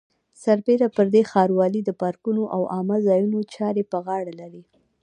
سربېره پر دې ښاروالۍ د پارکونو او عامه ځایونو چارې په غاړه لري.